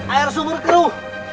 air sumber keruh